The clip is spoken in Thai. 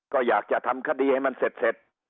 ก็อยากจะทำคดีให้มันเสร็จ